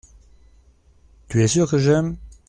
Tu es sûr que j’aime.